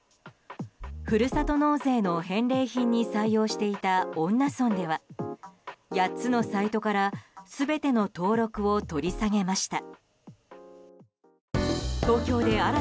ふるさと納税の返礼品に採用していた恩納村では８つのサイトから全ての登録を取り下げました。